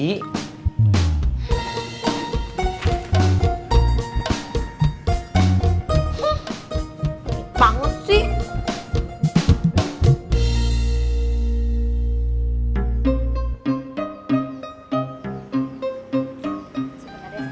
gita banget sih